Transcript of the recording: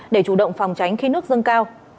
để chủ động phòng tránh khi nước dâng cao